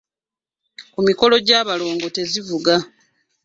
Ku mikolo gy’abalongo tezivuga.